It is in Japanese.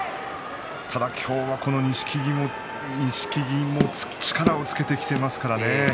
ただ今日の錦木も力をつけていますからね。